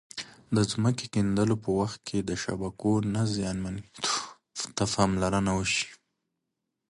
د ځمکې کیندلو په وخت کې د شبکو نه زیانمنېدو ته پاملرنه وشي.